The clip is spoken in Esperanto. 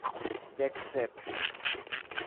Dek sep.